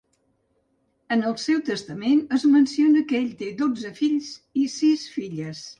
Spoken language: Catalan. En el seu testament es menciona que ell té dotze fills i sis filles.